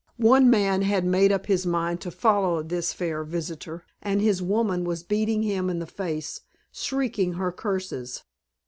One man had made up his mind to follow this fair visitor, and his woman was beating him in the face, shrieking her curses.